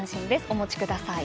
お持ちください。